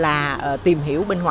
và khi mình tìm hiểu bên ngoài